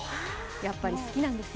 やっぱり好きなんですね。